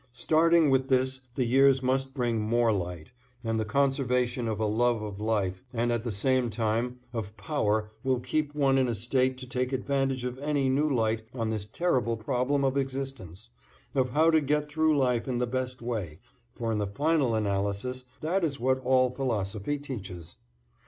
Starting with this the years must bring more light, and the conservation of a love of life and at the same time of power will keep one in a state to take advantage of any new light on this terrible problem of existence, of how to get through life in the best way, for in the final analysis that is what all philosophy teaches.